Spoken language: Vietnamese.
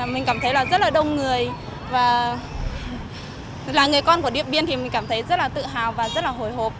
mình cảm thấy là rất là đông người và là người con của điện biên thì mình cảm thấy rất là tự hào và rất là hồi hộp